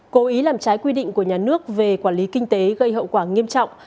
cố ý làm trái quy định của nhà nước về quản lý kinh tế gây hậu quả nghiêm trọng